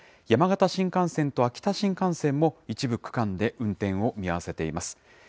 山形新幹線と秋田新幹線も、一部区間で運転を見合わせています。